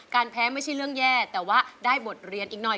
แพ้ไม่ใช่เรื่องแย่แต่ว่าได้บทเรียนอีกหน่อย